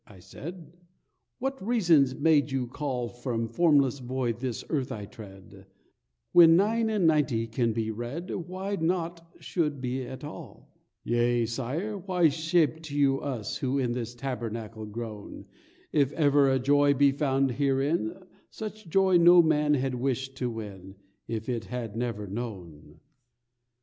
I said, "What reasons made You call From formless void this earth I tread, When nine and ninety can be read Why nought should be at all? "Yea, Sire; why shaped You us, 'who in This tabernacle groan'? If ever a joy be found herein, Such joy no man had wished to win If he had never known!"